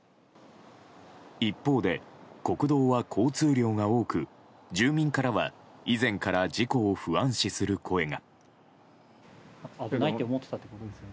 一方で、国道は交通量が多く住民からは以前から事故を不安視する声が。